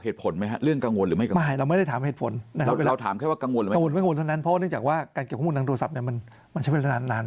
แต่ได้บอกเขาว่า